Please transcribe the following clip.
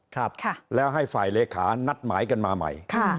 ครับค่ะแล้วให้ฝ่ายเลขานัดหมายกันมาใหม่ค่ะ